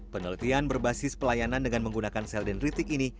penelitian berbasis pelayanan dengan menggunakan sel dendritik ini